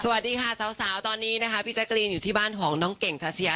สวัสดีค่ะสาวตอนนี้นะคะพี่แจ๊กรีนอยู่ที่บ้านของน้องเก่งทาเซีย